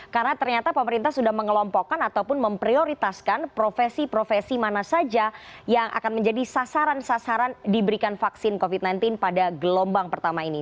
karena ternyata pemerintah sudah mengelompokkan ataupun memprioritaskan profesi profesi mana saja yang akan menjadi sasaran sasaran diberikan vaksin covid sembilan belas pada gelombang pertama ini